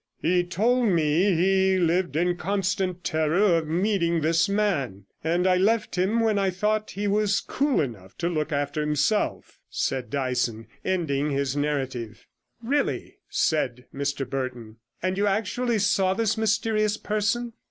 'He told me he lived in constant terror of meeting this man; and I left him when I thought he was cool enough to look after himself,' said Dyson, ending his narrative. 'Really,' said Mr Burton. 'And you actually saw this mysterious person?'